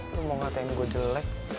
lo mau ngatain gue jelek